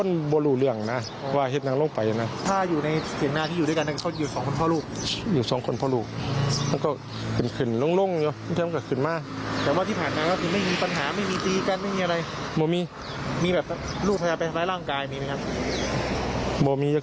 อยู่สองคนเพราะลูกมันก็ขึ่นลงเพราะขึ่นมาก